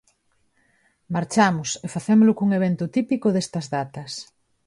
Marchamos, e facémolo cun evento típico destas datas.